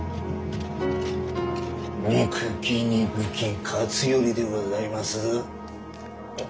憎き憎き勝頼でございますぞ。